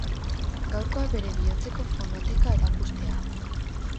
Gaurkoa, bere bihotzeko fonoteka erakustea.